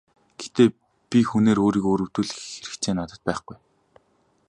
Гэхдээ би хүнээр өөрийгөө өрөвдүүлэх хэрэгцээ надад байхгүй.